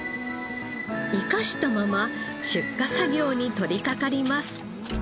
生かしたまま出荷作業に取り掛かります。